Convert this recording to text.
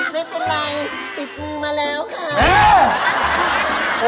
ไม่เป็นไรติดมือมาแล้วค่ะ